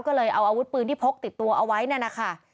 ก็เลยเอาอาวุธปืนที่พกติดตัวเอาไว้นั่นนะคะ